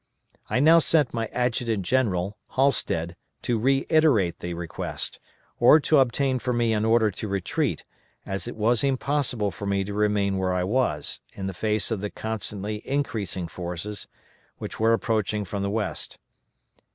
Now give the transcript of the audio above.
I now sent my Adjutant General, Halsted, to reiterate the request, or to obtain for me an order to retreat, as it was impossible for me to remain where I was, in the face of the constantly increasing forces which were approaching from the west.